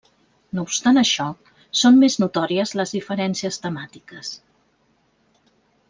No obstant això, són més notòries les diferències temàtiques.